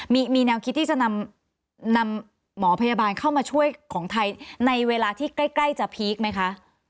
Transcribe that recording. มีแนวคิดที่จะนำหมอพยาบาลเข้ามาช่วยของไทยในเวลาที่ใกล้จะพีคไหมคะ